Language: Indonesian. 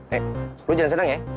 hei lu jangan senang ya